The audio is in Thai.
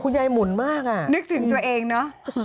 คุณยายหมุนมากอ่ะนึกถึงตัวเองนะ